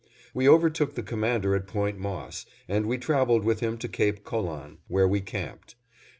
We overtook the Commander at Point Moss, and we traveled with him to Cape Colan, where we camped.